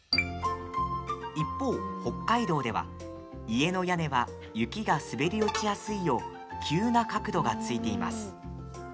一方、北海道では、家の屋根は雪が滑り落ちやすいよう急な角度がついています。